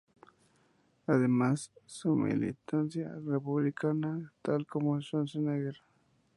Además, su militancia es Republicana, tal como Schwarzenegger.